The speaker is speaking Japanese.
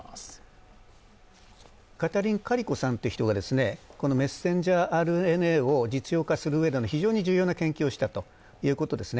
カタリン・カリコさんという人がメッセンジャーＲＮＡを実用化するうえでの非常に重要な研究をしたということですね。